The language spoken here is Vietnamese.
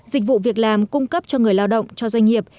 dịch vụ việc làm cung cấp cho người lao động cho doanh nghiệp